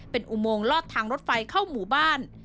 เป็นอุโมงลอดทางรถไฟเข้าหมู่บ้าน